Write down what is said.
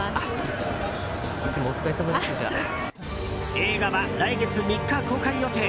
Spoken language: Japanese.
映画は来月３日公開予定。